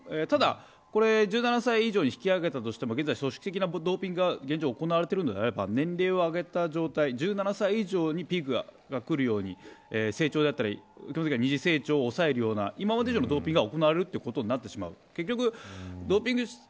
ただ、これ１７歳以上に引き上げたとしても組織的なドーピングが行われているのであれば年齢を上げた状態１７歳以上にピークがくるように成長だったり２次成長を抑えるような今まで以上にドーピングが行われるということになってしまう。